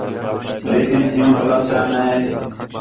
لیکن ہِیو کلاسیاں نے